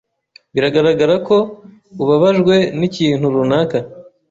Biragaragara ko ubabajwe n'ikintu runaka.